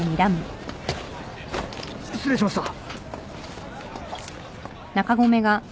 失礼しました。